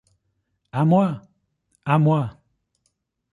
À moi! à moi !